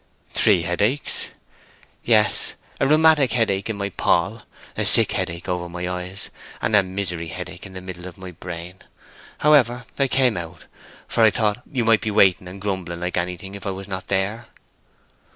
"Three headaches!" "Yes, a rheumatic headache in my poll, a sick headache over my eyes, and a misery headache in the middle of my brain. However, I came out, for I thought you might be waiting and grumbling like anything if I was not there."